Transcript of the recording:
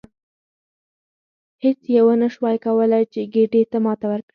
هیڅ یوه ونشوای کولی چې ګېډۍ ماته کړي.